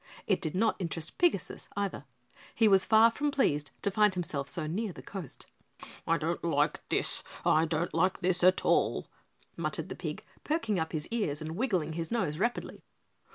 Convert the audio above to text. It did not interest Pigasus, either. He was far from pleased to find himself so near the coast. "I don't like this, I don't like this at all," muttered the pig, perking up his ears and wiggling his nose rapidly.